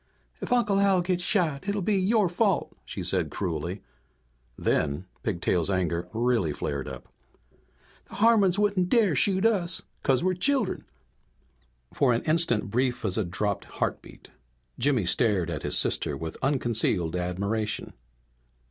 "If Uncle Al gets shot it'll be your fault," she said cruelly. Then Pigtail's anger really flared up. "The Harmons wouldn't dare shoot us 'cause we're children!" For an instant brief as a dropped heartbeat Jimmy stared at his sister with unconcealed admiration.